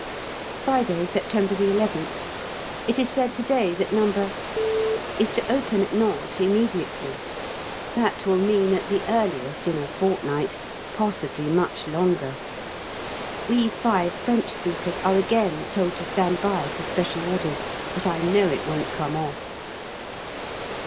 Friday, September 11th. It is said to day that No. is to open at Nantes immediately. That will mean, at the earliest, in a fortnight, possibly much longer. We five French speakers are again told to stand by for special orders, but I know it won't come off.